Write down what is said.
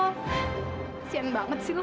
kesian banget sih lo